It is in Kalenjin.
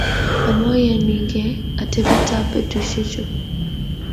Amoyaniege atepetab betusiechu.